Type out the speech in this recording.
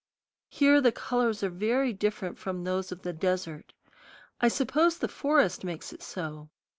Here the colors are very different from those of the desert. I suppose the forest makes it so.